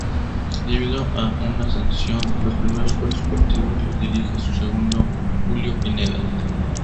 Debido a una sanción los primeros cuatro partidos los dirige su segundo, Julio Pineda.